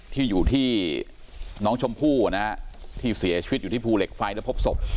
ที่อยู่ที่น้องชมพู่นะฮะที่เสียชีวิตอยู่ที่ภูเหล็กไฟแล้วพบศพ